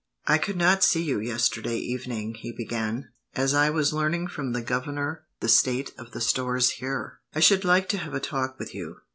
"I could not see you yesterday evening," he began, "as I was learning from the Governor the state of the stores here. I should like to have a talk with you.